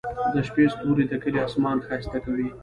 د شپې ستوري د کلي اسمان ښايسته کوي.